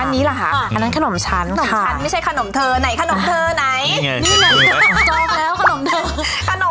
อันนี้ล่ะค่ะอันนั้นขนมชั้นค่ะขนมชั้นไม่ใช่ขนมเธอไหนขนมเธอไหน